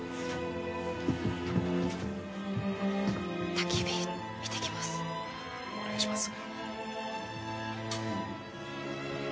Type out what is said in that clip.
たき火見てきますお願いします